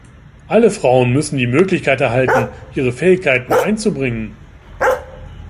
Alle Frauen müssen die Möglichkeit erhalten, ihre Fähigkeiten einzubringen.